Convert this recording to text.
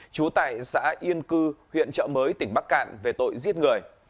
chú tại xã yên cư huyện chợ mới tỉnh bắc cạn về tội giết người